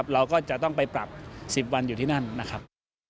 เราก็จะต้องไปปรับ๑๐วันอยู่ที่นั่นนะครับ